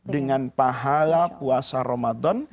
dengan pahala puasa ramadan